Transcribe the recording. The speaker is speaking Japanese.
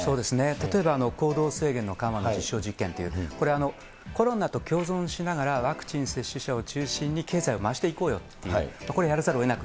例えば行動制限の緩和の実証実験っていう、コロナと共存しながら、ワクチン接種者を中心に経済を回していこうよっていう、これはやらざるをえない。